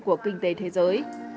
của kinh tế thế giới